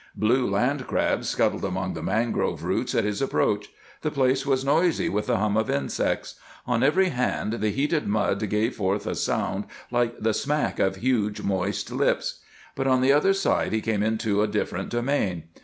Blue land crabs scuttled among the mangrove roots at his approach; the place was noisy with the hum of insects; on every hand the heated mud gave forth a sound like the smack of huge moist lips. But on the other side he came into a different domain.